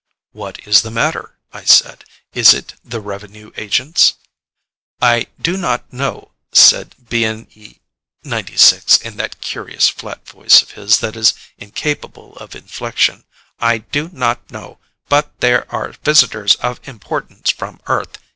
"What is the matter?" I said. "Is it the revenue agents?" "I do not know," said BNE 96 in that curious, flat voice of his that is incapable of inflection. "I do not know, but there are visitors of importance from Earth.